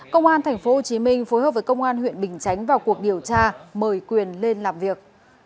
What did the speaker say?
công an tp hcm phối hợp với công an huyện bình chánh vào cuộc điều tra mời quyền lên làm việc